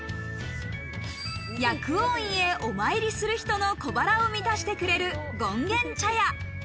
薬王院へお参りする人の小腹を満たしてくれる、権現茶屋。